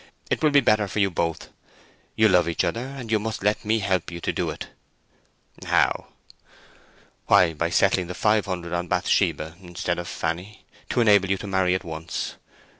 It will be better for you both. You love each other, and you must let me help you to do it." "How?" "Why, by settling the five hundred on Bathsheba instead of Fanny, to enable you to marry at once.